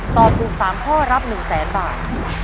ตอบถูก๓ข้อรับ๑แสนบาท